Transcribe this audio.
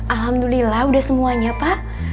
alhamdulillah udah semuanya pak